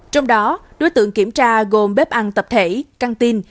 trong đó đối tượng kiểm tra gồm bếp ăn tập thể canteen